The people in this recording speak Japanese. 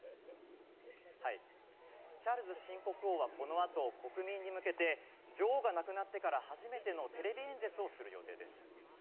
チャールズ新国王はこのあと国民に向けて女王が亡くなってから初めてのテレビ演説をする予定です。